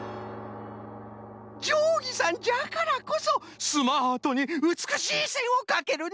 じょうぎさんじゃからこそスマートにうつくしいせんをかけるんですなあ。